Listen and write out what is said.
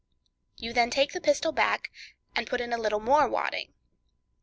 You then take the pistol back, and put in a little more wadding.